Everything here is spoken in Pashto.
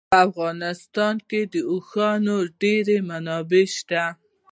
په افغانستان کې د اوښانو ډېرې منابع شته دي.